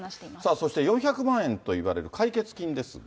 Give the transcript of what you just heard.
そして４００万円といわれる解決金ですが。